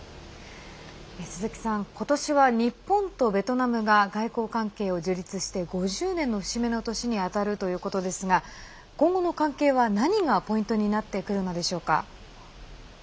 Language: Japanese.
鈴木さん、今年は日本とベトナムが外交関係を樹立して５０年の節目の年にあたるということですが今後の関係は、何がポイントになってくるのでしょうか。